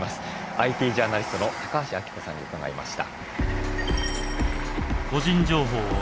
ＩＴジャーナリストの高橋暁子さんに伺いました。